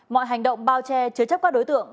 mọi hành động bao che chứa chấp các đối tượng